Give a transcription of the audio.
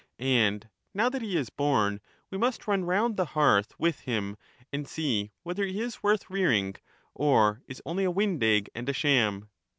And now that he is born, we must run round the hearth with him, and see whether he is worth rearing, or is only a wind egg and a sham.